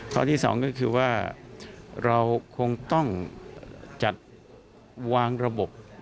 ข้อที่สองก็คือว่าเราคงต้องจัดวางระบบ